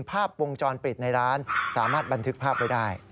ภาพวงจรปิดในร้านสามารถบันทึกภาพไว้ได้